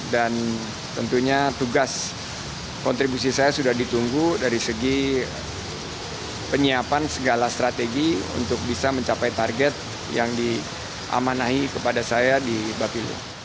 tentunya tugas kontribusi saya sudah ditunggu dari segi penyiapan segala strategi untuk bisa mencapai target yang diamanahi kepada saya di bapilu